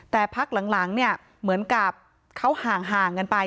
แต่พักหลังเนี่ยเหมือนกับเขาห่างกันไป